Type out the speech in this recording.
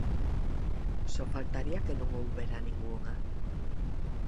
¡Só faltaría que non houbera ningunha!